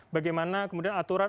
bagaimana kemudian aturan